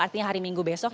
artinya hari minggu besok